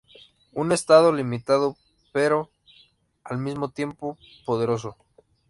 Un Estado limitado pero, al mismo tiempo, poderoso.